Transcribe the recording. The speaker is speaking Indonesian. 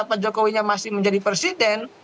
pak jokowinya masih menjadi presiden